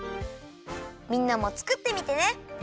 みんなも作ってみてね。